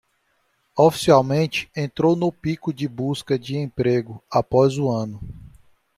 Oficialmente entrou no pico de busca de emprego após o ano